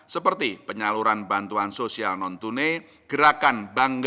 seperti penyaluran bantuan sosial non tunai gerakan bangga